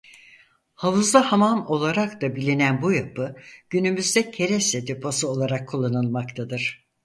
Havuzlu Hamam olarak da bilinen bu yapı günümüzde kereste deposu olarak kullanılmaktadır.